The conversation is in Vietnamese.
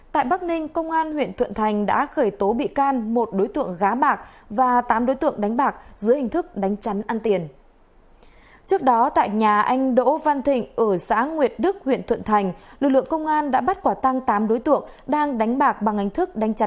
các bạn hãy đăng ký kênh để ủng hộ kênh của chúng mình nhé